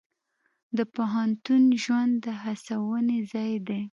د پوهنتون ژوند د هڅونې ځای دی.